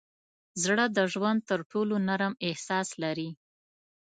زړه د ژوند تر ټولو نرم احساس لري.